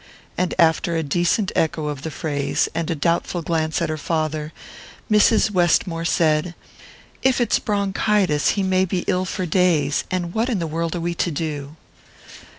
and after a decent echo of the phrase, and a doubtful glance at her father, Mrs. Westmore said: "If it's bronchitis he may be ill for days, and what in the world are we to do?"